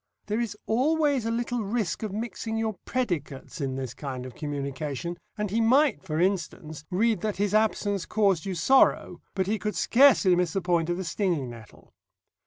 There is always a little risk of mixing your predicates in this kind of communication, and he might, for instance, read that his Absence caused you Sorrow, but he could scarcely miss the point of the stinging nettle.